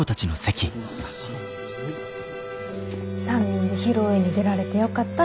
３人で披露宴に出られてよかった。